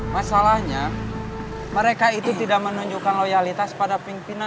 masalahnya mereka itu tidak menunjukkan loyalitas pada pimpinan